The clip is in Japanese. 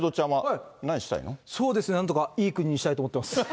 そうですね、なんとかいい国にしたいと思ってます。